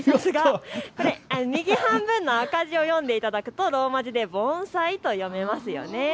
右半分の赤字を読んでいただくとローマ字でｂｏｎｓａｉと読めますよね。